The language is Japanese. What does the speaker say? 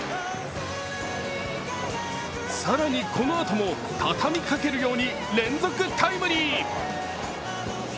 更にこのあとも畳みかけるように連続タイムリー。